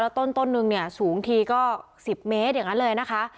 ต้นนึงเนี่ยสูงทีก็๑๐เมตรอย่างนั้นเลยนะคะ